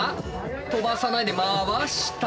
飛ばさないで回した。